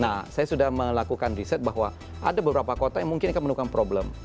nah saya sudah melakukan riset bahwa ada beberapa kota yang mungkin akan menemukan problem